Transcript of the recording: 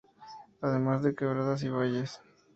Además de quebradas y valles.